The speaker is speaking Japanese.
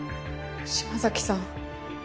島崎さん。